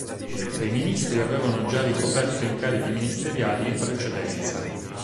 Sei ministri avevano già ricoperto incarichi ministeriali in precedenza.